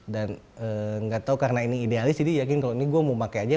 dan nggak tahu karena ini idealis jadi yakin kalau ini gue mau pakai aja